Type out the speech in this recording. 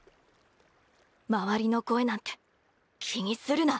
周りの声なんて気にするな。